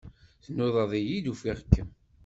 Tnudaḍ-iyi-d, ufiɣ-kem.